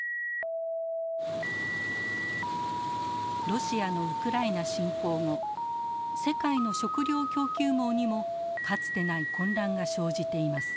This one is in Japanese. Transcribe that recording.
ロシアのウクライナ侵攻後世界の食料供給網にもかつてない混乱が生じています。